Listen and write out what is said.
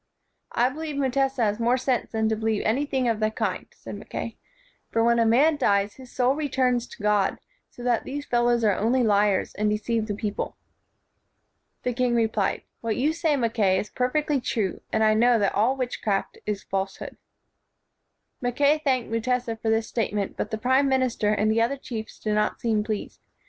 "I believe Mutesa has more sense than to believe anything of the kind," said Mackay, "for when a man dies, his soul returns to 126 KING AND WIZARD God, so that these fellows are only liars, and deceive the people." The king replied, "What you say, Mac kay, is perfectly true, and I know that all witchcraft is falsehood." Mackay thanked Mutesa for this state ment, but the prime minister and other chiefs did not seem pleased.